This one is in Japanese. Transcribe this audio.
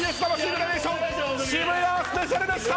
グラデーション渋谷スペシャルでした！